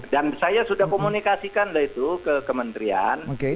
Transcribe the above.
dan saya sudah komunikasikan ke kementerian